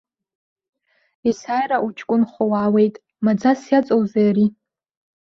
Есааира уҷкәынхо уаауеит, маӡас иаҵоузеи ари?